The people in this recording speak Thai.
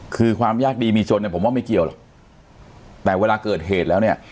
คือความยากดีมีจนเนี่ยผมว่าไม่เกี่ยวหรอกแต่เวลาเกิดเหตุแล้วเนี่ย